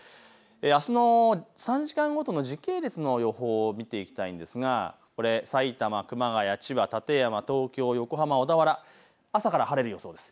あすの３時間ごとの時系列の予報を見ていきたいんですが、さいたま、熊谷、千葉、館山、東京、横浜、小田原、朝から晴れる予想です。